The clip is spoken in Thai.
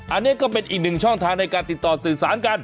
อันนี้ก็เป็นอีกหนึ่งช่องทางในการติดต่อสื่อสารกัน